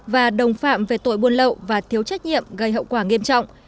và đồng phạm về tội buôn lậu và thiếu trách nhiệm gây hậu quả nghiêm trọng